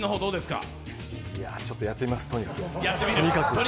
ちょっとやってみます、とにかく。